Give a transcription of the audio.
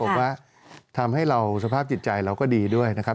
ผมว่าทำให้เราสภาพจิตใจเราก็ดีด้วยนะครับ